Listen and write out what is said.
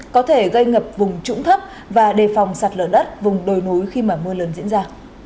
có thể gây ngập vùng trũng thấp và đề phòng sạt lở đất vùng đồi núi khi mà mưa lớn diễn ra